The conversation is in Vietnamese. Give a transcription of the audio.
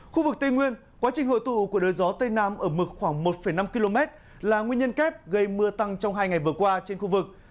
khu vực tây nguyên quá trình hội tụ của đới gió tây nam ở mực khoảng một năm km là nguyên nhân kép gây mưa tăng trong hai ngày vừa qua trên khu vực